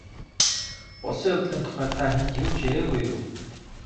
Болсон явдлын тухай та хэнд ч яриагүй юу?